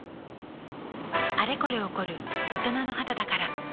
あれこれ起こる大人の肌だから